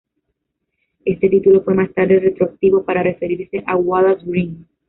Este título fue más tarde retroactivo para referirse a Wallace Breen.